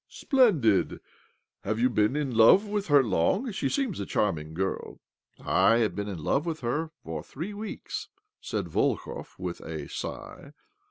Splendid ! Have you been in love with her long? She seems a charming girl." " I have been in love with her for three weeks," said Volkov, with a sigh.